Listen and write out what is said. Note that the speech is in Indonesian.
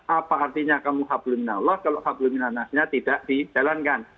apa artinya kamu hablumina allah kalau hablumina nasinya tidak dijalankan